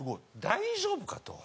「大丈夫か？」と。